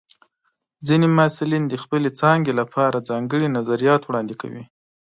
ځینې محصلین د خپلې څانګې لپاره ځانګړي نظریات وړاندې کوي.